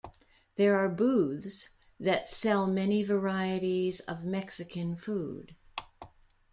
There are booths that sell many varieties of Mexican food.